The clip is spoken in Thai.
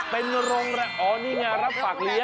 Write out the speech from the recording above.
เป็นโรงระอ๋อนี่ไงรับปากเลี้ย